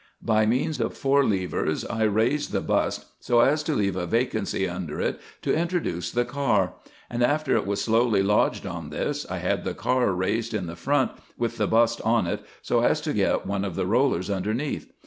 By means of four levers I raised the bust, so as to leave a vacancy under it, to introduce the car ; and, after it was slowly lodged on this, I had the car raised in the front, with the bust on it, so as to get one of the rollers under neath.